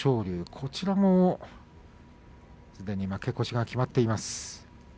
こちらもすでに負け越しが決まっています。